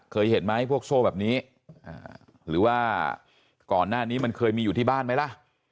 เคยเห็นไหมพวกโซ่แบบนี้หรือว่าก่อนหน้านี้มันเคยมีอยู่ที่บ้านไหมล่ะ